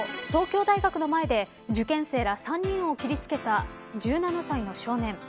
東京大学の前で受験生ら３人を切りつけた１７歳の少年。